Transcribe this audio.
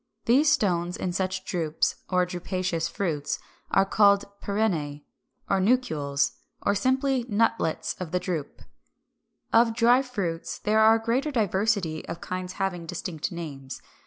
These stones in such drupes, or drupaceous fruits, are called Pyrenæ, or Nucules, or simply Nutlets of the drupe. 358. Of Dry fruits, there is a greater diversity of kinds having distinct names.